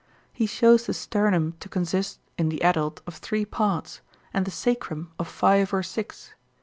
He shows the sternum to consist, in the adult, of three parts and the sacrum of five or six.